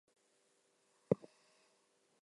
Ernst Hinterberger was born and died in Vienna.